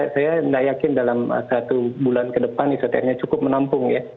saya tidak yakin dalam satu bulan ke depan isoternya cukup menampung ya